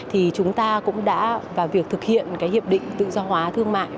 thì chúng ta cũng đã và việc thực hiện cái hiệp định tự do hóa thương mại